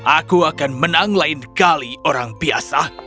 aku akan menang lain kali orang biasa